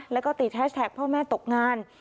แล้วก็ติดแฮชแท็กพ่อแม่ตกงาน